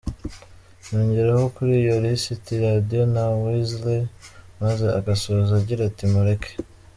Yongeraho kuri iyo lisiti Radio na Weasel maze agasoza agira ati Mureke.